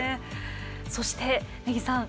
そして、根木さん